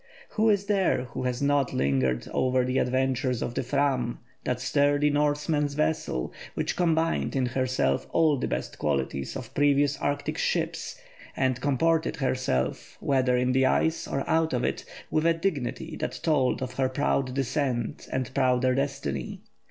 Who is there who has not lingered over the adventures of the Fram, that sturdy Norseman's vessel, which combined in herself all the best qualities of previous Arctic ships, and comported herself, whether in the ice or out of it, with a dignity that told of her proud descent and prouder destiny?